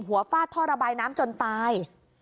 หัวฟาดทราบายน้ำจนตาย